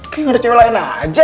kayaknya ada cewe lain aja